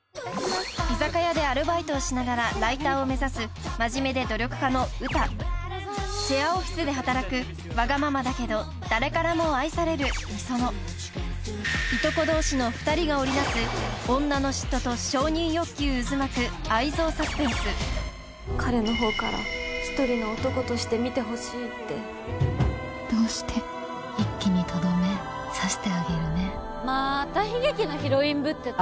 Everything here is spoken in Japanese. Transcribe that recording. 居酒屋でアルバイトをしながらライターを目指すまじめで努力家の詩シェアオフィスで働くわがままだけど誰からも愛される美園いとこ同士の二人が織りなす彼のほうからひとりの男として見てほしいってどうして一気にとどめ刺してあげるねまーた悲劇のヒロインぶってた？